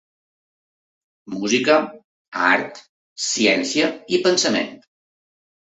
Música, art, ciència i pensament.